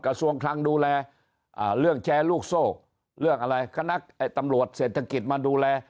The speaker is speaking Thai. กระทรวงคลังดูแลเรื่องแชร์ลูกโซ่เรื่องอะไรคณะตำรวจเศรษฐกิจมาดูแล